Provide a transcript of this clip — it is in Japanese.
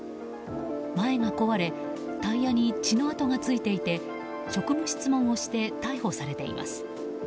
前が壊れタイヤに血の痕がついていて職務質問をして逮捕されています。